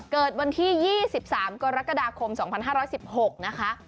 เกิดวันที่๒๓กรกฎาคม๒๕๑๖นะคะ